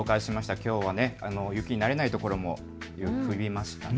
きょうは雪に慣れないところも降りましたね。